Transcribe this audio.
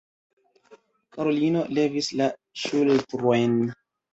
Karolino levis la ŝultrojn.